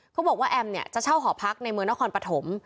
เขาบอกว่าแอมเนี่ยจะเช่าหอพักในเมืองนครปฐม